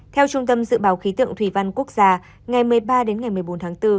theo trung tâm dự báo khí tượng thủy văn quốc gia ngày một mươi ba đến ngày một mươi bốn tháng bốn